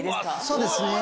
そうですね。